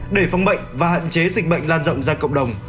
để phòng bệnh và hạn chế dịch bệnh lan rộng ra cộng đồng